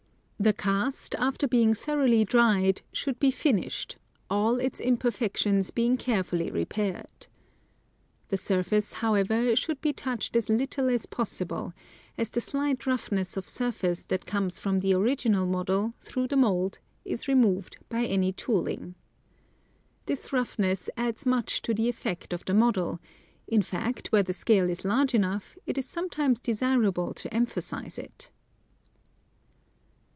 The cast, after being thoroughly dried, should be finished — all its imperfections being carefully repaired. The surface, however, should be touched as little as possible, as the slight roughness of surface that comes from the original model, through the mould, is removed by any tooling. This roughness adds much to the effect of the model ; in fact, where the scale is large enough, it is sometimes desirable to emphasize it.